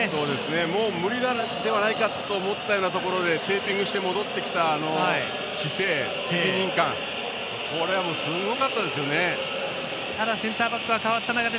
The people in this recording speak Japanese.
もう無理ではないかというところでテーピングして戻ってきた姿勢、責任感これはすごかったですよね。